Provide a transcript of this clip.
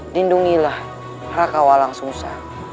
lindungilah raka walang susang